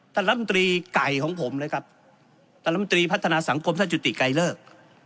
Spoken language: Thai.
ลำตรีไก่ของผมเลยครับท่านลำตรีพัฒนาสังคมท่านจุติไกลเลิก